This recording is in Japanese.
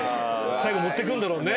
最後持ってくんだろうね。